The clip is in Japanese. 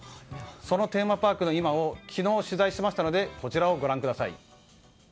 そのテーマパークの今を昨日取材しましたのでこちらをご覧ください。